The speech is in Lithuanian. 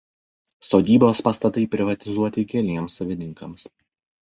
Sodybos pastatai privatizuoti keliems savininkams.